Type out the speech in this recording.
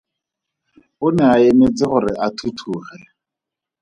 O ne a emetse gore a thuthuge.